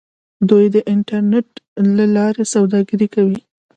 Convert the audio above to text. دوی د انټرنیټ له لارې سوداګري کوي.